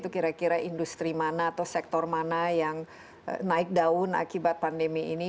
kira kira industri mana atau sektor mana yang naik daun akibat pandemi ini